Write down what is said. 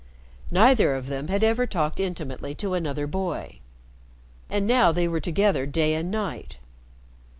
Neither of them had ever talked intimately to another boy, and now they were together day and night.